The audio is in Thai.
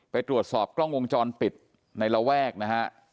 ไปตรวจสอบกล้องวงจรปิดในระแวกนะฮะ